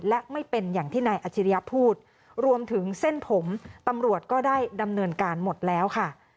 และไม่เป็นอย่างที่นายอาชิริยะพูดรวมถึงเส้นผมตำรวจก็ได้ดำเนินการหมดแล้วค่ะ